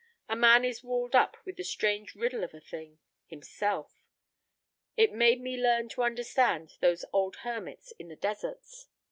A man is walled up with that strange riddle of a thing—himself. It made me learn to understand those old hermits in the deserts.